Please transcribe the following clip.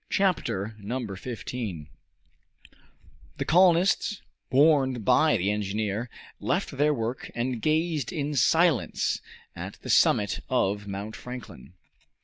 Chapter 15 The colonists, warned by the engineer, left their work and gazed in silence at the summit of Mount Franklin.